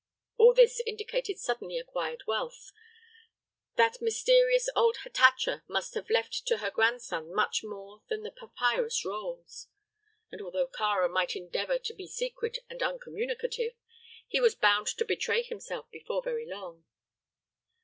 All this indicated suddenly acquired wealth that mysterious old Hatatcha must have left to her grandson much more than the papyrus rolls; and although Kāra might endeavor to be secret and uncommunicative, he was bound to betray himself before very long.